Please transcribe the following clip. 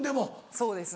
そうですね。